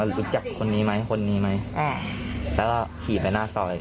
ตรงนี้คือหน้าซอยและในภาพกล้องอุงจรปิดแต่ก่อนหน้านี้เข้าไปในซอย